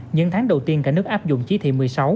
những tháng đầu tiên cả nước áp dụng chí thị một mươi sáu